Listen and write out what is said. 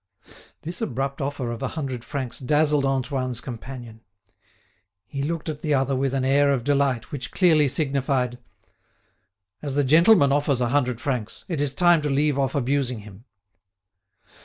This abrupt offer of a hundred francs dazzled Antoine's companion. He looked at the other with an air of delight, which clearly signified: "As the gentleman offers a hundred francs, it is time to leave off abusing him."